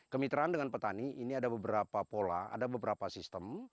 kemitraan dengan petani ini ada beberapa pola ada beberapa sistem